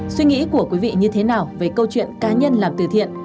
suy nghĩ của quý vị như thế nào về câu chuyện cá nhân làm từ thiện